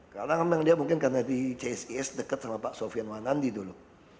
karena dia mungkin karena di csis dekat sama pak sofian wanandi dulu